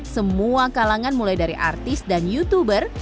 semua kalangan mulai dari artis dan youtuber